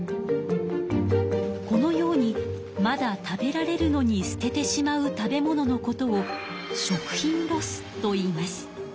このようにまだ食べられるのに捨ててしまう食べ物のことを「食品ロス」といいます。